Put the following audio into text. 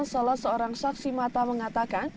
salah seorang saksi mata mengatakan